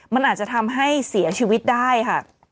มันอาจจะทำให้เสียชีวิตได้ค่ะ